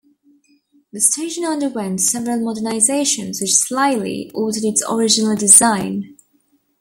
The station underwent several modernisations which slightly altered its original design.